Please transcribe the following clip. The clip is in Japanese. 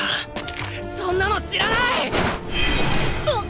そんなの知らないッ！